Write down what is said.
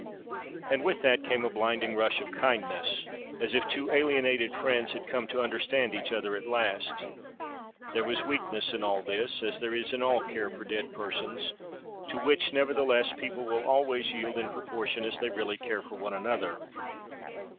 And with that came a blinding rush of kindness, as if two alienated friends had come to understand each other at last. There was weakness in all this; as there is in all care for dead persons, to which nevertheless people will always yield in proportion as they really care for one another.